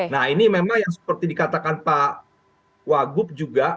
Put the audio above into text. nah ini memang seperti yang dikatakan pak wagub juga